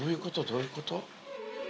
どういうこと？